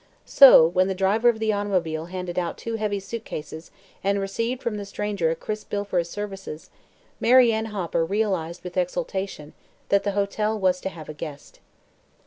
So, when the driver of the automobile handed out two heavy suit cases and received from the stranger a crisp bill for his services, Mary Ann Hopper realized with exultation that the hotel was to have a guest.